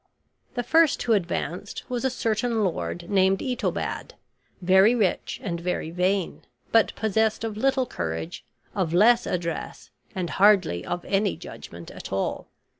The first who advanced was a certain lord, named Itobad, very rich and very vain, but possessed of little courage, of less address, and hardly of any judgment at all.